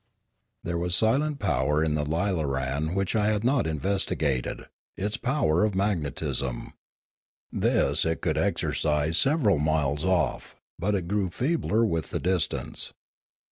There was a silent power in the lilaran which I had not investigated: its power of magnetism. This it could exercise several miles off; but it grew feebler Choktroo 211 with the distance.